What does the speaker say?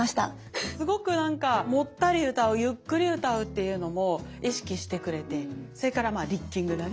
すごくなんかもったり歌うゆっくり歌うっていうのも意識してくれてそれからまあリッキングだね。